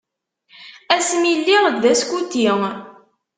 Ass mi lliɣ d askuti.